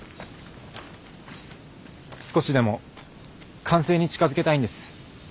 少しでも完成に近づけたいんです。